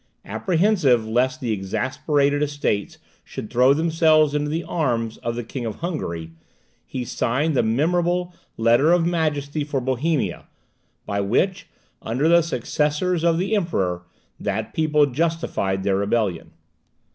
Apprehensive lest the exasperated Estates should throw themselves into the arms of the King of Hungary, he signed the memorable Letter of Majesty for Bohemia, by which, under the successors of the Emperor, that people justified their rebellion.